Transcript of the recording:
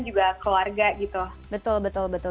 juga keluarga gitu betul betul